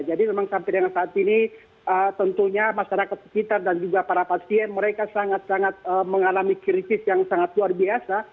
jadi memang sampai dengan saat ini tentunya masyarakat sekitar dan juga para pasien mereka sangat sangat mengalami krisis yang sangat luar biasa